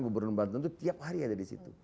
gubernur bantuan itu tiap hari ada di situ